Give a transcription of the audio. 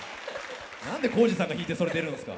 何で耕史さんが引いてそれ出るんすか。